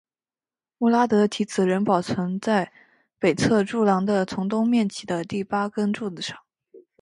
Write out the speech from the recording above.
穆拉德的题词仍保存在北侧柱廊的从东面起的第八根柱子上。